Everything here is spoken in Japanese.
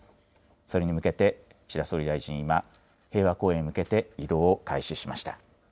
それに向けて、岸田総理大臣は今、平和公園に向けて移動を開始しました。